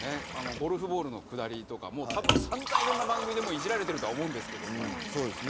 ゴルフボールのくだりとかも散々いろんな番組でいじられてると思うんですけど。